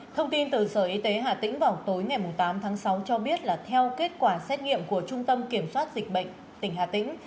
thông tin từ sở y tế hà tĩnh vào tối ngày tám tháng sáu cho biết là theo kết quả xét nghiệm của trung tâm kiểm soát dịch bệnh tỉnh hà tĩnh